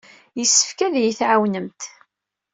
Yessefk ad iyi-tɛawnemt.